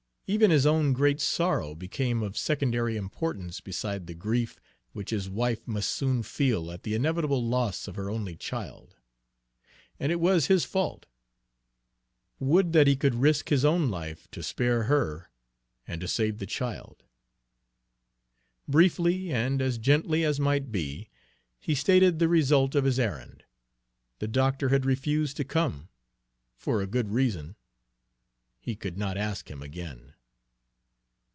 Even his own great sorrow became of secondary importance beside the grief which his wife must soon feel at the inevitable loss of her only child. And it was his fault! Would that he could risk his own life to spare her and to save the child! Briefly, and as gently as might be, he stated the result of his errand. The doctor had refused to come, for a good reason. He could not ask him again.